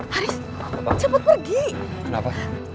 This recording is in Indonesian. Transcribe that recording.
haris cepet pergi kenapa